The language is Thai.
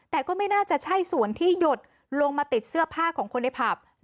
แต่ก็ไม่น่าจะใช่ส่วนที่หยดลงมาติดเสื้อผ้าของคนในผับ